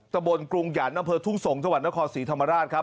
ตะบนกรุงหยันต์อำเภอทุ่งสงศ์จังหวัดนครศรีธรรมราชครับ